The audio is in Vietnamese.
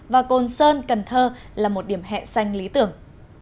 và cồn sơn cần thơ là một điểm hẹn xanh lý tưởng